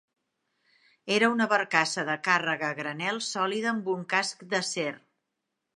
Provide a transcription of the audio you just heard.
Era una barcassa de càrrega a granel sòlida amb un casc d'acer.